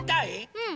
うん。